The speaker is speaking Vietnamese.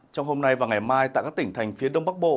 trong hôm nay và ngày mai tại các tỉnh thành phía đông bắc bộ